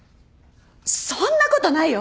そんなことないよ。